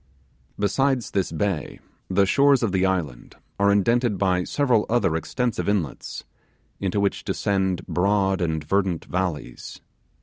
Besides this bay the shores of the island are indented by several other extensive inlets, into which descend broad and verdant valleys.